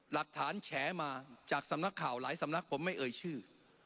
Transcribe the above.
แฉมาจากสำนักข่าวหลายสำนักผมไม่เอ่ยชื่อ